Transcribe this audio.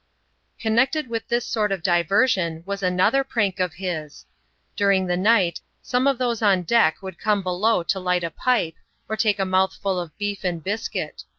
Connected with this sort of diversion, was another prank of his. During the night some of those on deck would come below to light a pipe, or take a mouthful of beef and biscuit.